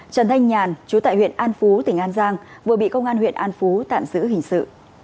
trần thanh nhàn chú tại huyện an phú tỉnh an giang vừa bị công an huyện an phú tạm giữ hình sự